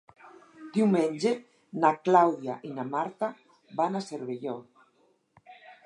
Diumenge na Clàudia i na Marta van a Cervelló.